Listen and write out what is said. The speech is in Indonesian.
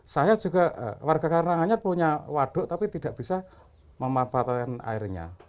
saya juga warga karanganyar punya waduk tapi tidak bisa memanfaatkan airnya